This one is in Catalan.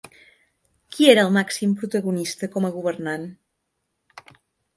Qui era el màxim protagonista com a governant?